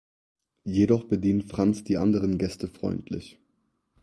Jedoch bedient Franz die anderen Gäste freundlich.